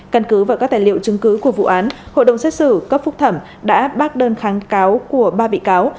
căn cứ và các tài liệu chứng cứ của vụ án hội đồng xét xử cấp phúc thẩm đã bác đơn kháng cáo của ba bị cáo